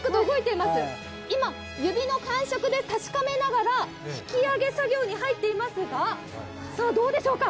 今、指の感触で確かめながら引き上げ作業に入っていますがどうでしょうか？